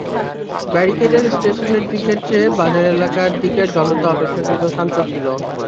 ব্যারিকেডের স্টেশনের দিকের চেয়ে বাজার এলাকার দিকের জনতা অপেক্ষাকৃত শান্ত ছিল।